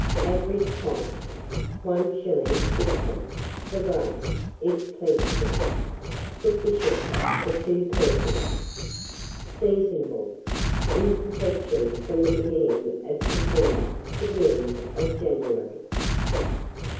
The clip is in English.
Average cost, 1s. 6d. the brace, if plentiful. Sufficient for 2 persons. Seasonable. In perfection from the beginning of September to the end of January.